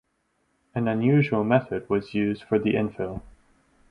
An unusual method was used for the infill.